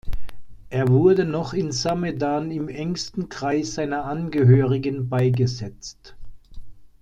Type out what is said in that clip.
Er wurde noch in Samedan im engsten Kreis seiner Angehörigen beigesetzt.